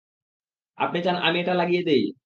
আপনি চান আমি এটা লাগিয়ে দেই?